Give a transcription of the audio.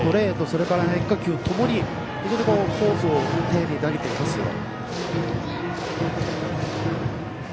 それから変化球ともに非常にコースを丁寧に投げていますよ。